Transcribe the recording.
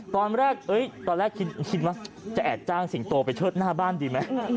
ตอนแรกตอนแรกคิดว่าจะแอบจ้างสิงโตไปเชิดหน้าบ้านดีไหม